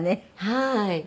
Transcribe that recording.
はい。